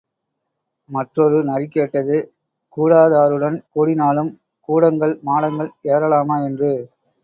மற்றொரு நரி கேட்டது கூடாதாருடன் கூடினாலும் கூடங்கள் மாடங்கள் ஏறலாமா? என்று.